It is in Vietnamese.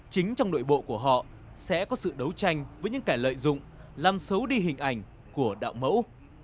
chính trong nội bộ của họ sẽ có sự đấu tranh với những kẻ lợi dụng làm xấu đi hình ảnh của đạo mẫu